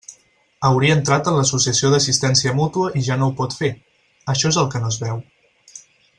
Hauria entrat en l'associació d'assistència mútua i ja no ho pot fer, això és el que no es veu.